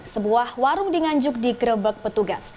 sebuah warung diganjuk di gerebek petugas